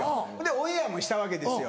オンエアもしたわけですよ。